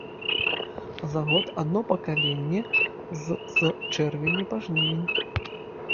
За год адно пакаленне з з чэрвеня па жнівень.